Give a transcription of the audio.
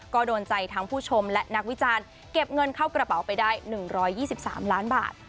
ก็โดนใจทั้งผู้ชมและนักวิจารณ์เก็บเงินเข้ากระเป๋าไปได้๑๒๓ล้านบาท